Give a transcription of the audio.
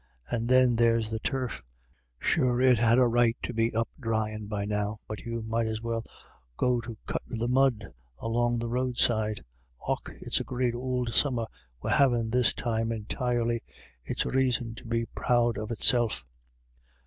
,.. And then there's the turf; sure it had a right to be up dryin' by now, but you might as well go to cut the mud along the roadside. Och, it's a great ould summer we're havin' this time entirely ; it's raison to be proud of itself."